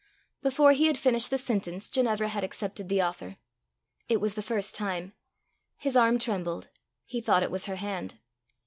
Before he had finished the sentence Ginevra had accepted the offer. It was the first time. His arm trembled. He thought it was her hand.